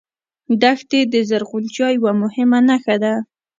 دښتې د زرغونتیا یوه مهمه نښه ده.